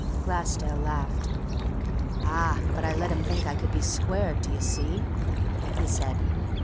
Glassdale laughed. "Ah, but I let him think I could be squared, do you see?" he said.